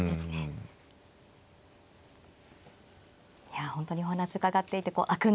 いや本当にお話伺っていて飽く